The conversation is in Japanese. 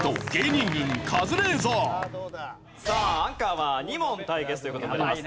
さあアンカーは２問対決という事になります。